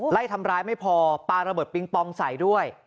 ไล่ทำร้ายไม่พอปลาระเบิดปิงปองใส่ด้วย